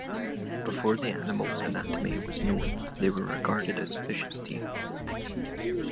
Before the animals' anatomy was known, they were regarded as fishes' teeth.